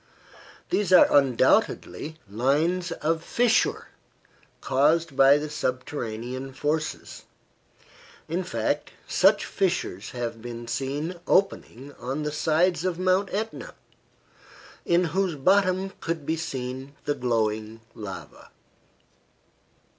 These are undoubtedly lines of fissure, caused by the subterranean forces. In fact, such fissures have been seen opening on the sides of Mount Etna, in whose bottom could be seen the glowing lava.